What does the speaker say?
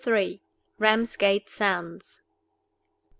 RAMSGATE SANDS.